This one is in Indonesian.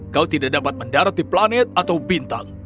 kau tidak dapat mendarat di planet atau bintang